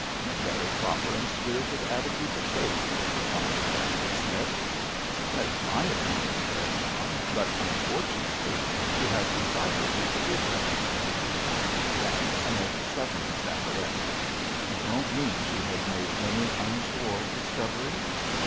"A very proper and spirited attitude to take," responded Dacent Smith. "That is my opinion," said John, "but, unfortunately, she has decided to forgive her husband." Dacent Smith suddenly sat erect. "You don't mean she has made any untoward discovery?"